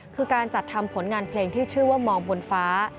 คือการจัดทำผลงานเพลงที่ชื่อว่ามองบนฟ้า